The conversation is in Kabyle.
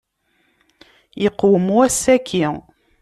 Iqwem wass-aki.